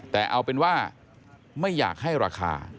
แต่เอาเป็นว่าไม่อยากให้ราคา